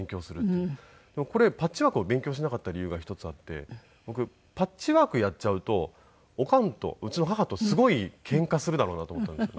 これパッチワークを勉強しなかった理由が一つあって僕パッチワークやっちゃうとおかんとうちの母とすごいケンカするだろうなと思ったんですね。